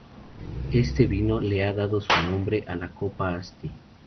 Este vino le ha dado su nombre a la copa Asti.